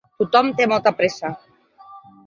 Tothom té molta pressa.